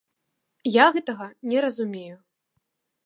Я гэтага не разумею.